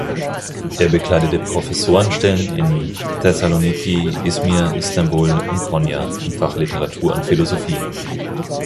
Er bekleidete Professorenstellen in Thessaloniki, Izmir, Istanbul und Konya im Fach Literatur und Philosophie.